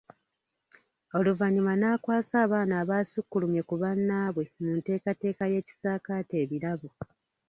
Oluvannyuma n’akwasa abaana abaasukkulumye ku bannaabwe mu nteekateeka y’ekisaakaate ebirabo.